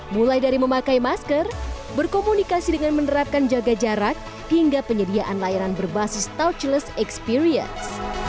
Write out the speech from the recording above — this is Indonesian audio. mulai dari memakai masker berkomunikasi dengan menerapkan jaga jarak hingga penyediaan layanan berbasis touchless experience